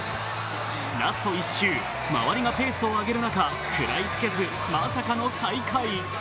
ラスト１周、周りがペースを上げる中食らいつけず、まさかの最下位。